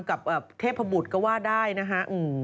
กับเทพบุตรก็ว่าได้นะฮะ